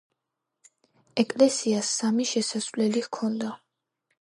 ეკლესიას სამი შესასვლელი ჰქონდა.